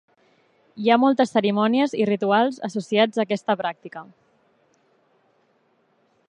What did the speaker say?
Hi ha moltes cerimònies i rituals associats a aquesta pràctica.